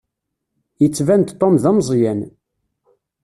Yettban-d Tom d ameẓẓyan.